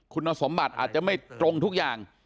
คุณสมบัติอาจจะไม่ตรงทุกอย่าง